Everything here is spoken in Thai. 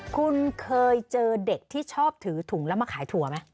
คุณเคยเจอเด็กที่ชอบถือถุงแล้วมาขายถั่วไหม